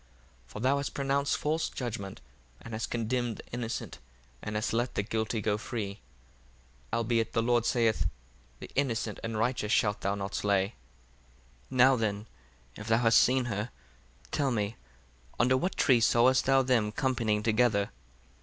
1:53 For thou hast pronounced false judgment and hast condemned the innocent and hast let the guilty go free; albeit the Lord saith, The innocent and righteous shalt thou not slay. 1:54 Now then, if thou hast seen her, tell me, Under what tree sawest thou them companying together?